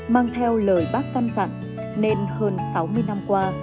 mang theo lời bác căn dặn nên hơn sáu mươi năm qua